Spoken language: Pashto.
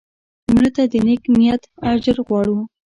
مړه ته د نیک نیت اجر غواړو